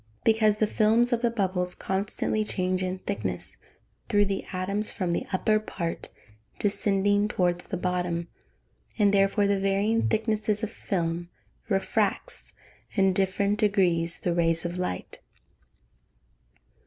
_ Because the films of the bubbles constantly change in thickness, through the atoms from the upper part descending towards the bottom, and therefore the varying thickness of film refracts, in different degrees, the rays of light.